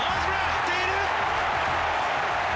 捕っている！